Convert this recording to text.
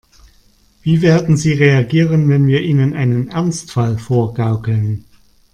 Wie werden sie reagieren, wenn wir ihnen einen Ernstfall vorgaukeln?